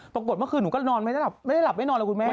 ปรากฏเมื่อคืนหนูก็นอนไม่ได้หลับไม่ได้หลับไม่นอนเลยคุณแม่